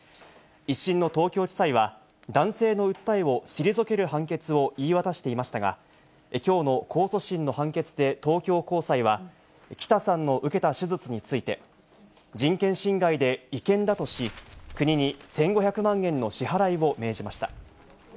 １審の東京地裁は、男性の訴えを退ける判決を言い渡していましたが、きょうの控訴審の判決で、東京高裁は、北さんの受けた手術について、人権侵害で違憲だとし、国に１５００万円の支払いを命じました。